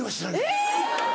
えっ！